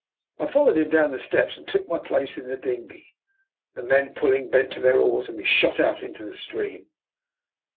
*' I followed him down the steps and took my place in the dinghy. The men pulling bent to their oars, and we shot out into the stream.